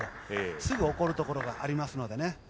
すぐに怒るところがありますので。